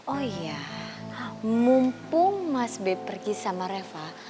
oh iya mumpung mas be pergi sama reva